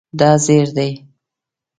دا زیړ دی